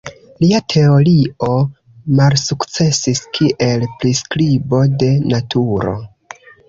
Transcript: Lia teorio malsukcesis kiel priskribo de naturo.